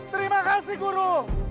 terima kasih guru